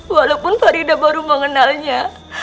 walaupun farida baru mengenalnya